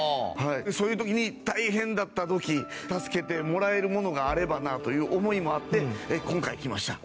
そういう時に大変だった時助けてもらえるものがあればなという思いもあって今回来ました。